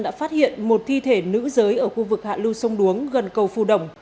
đã phát hiện một thi thể nữ giới ở khu vực hạ lưu sông đuống gần cầu phù đồng